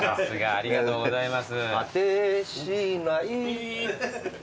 ありがとうございます。